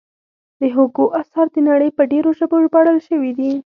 د هوګو اثار د نړۍ په ډېرو ژبو ژباړل شوي دي.